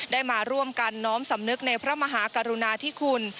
ได้มาร่วมกันน้อมสำนึกในพระมหากรุณาธิคุณ